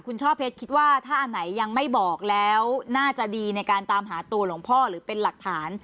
คุณช่อเพชรคิดว่าถ้าอันไหนยังไม่บอกแล้วน่าจะดีในการตามหาตัวหลวงพ่อหรือเป็นหลักฐาน